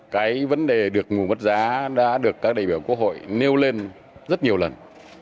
cái vấn đề được ngủ mất giá đã được các đại biểu quốc hội nêu lên rất nhiều lần